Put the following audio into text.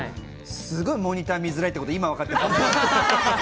すごいモニター見づらいってことが分かった。